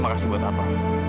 makasih buat apa